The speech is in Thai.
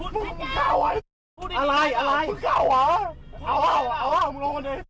มึงเข้าไอ้อะไรมึงเข้าเหรอเอาเอาเอามึงลงกันเถอะ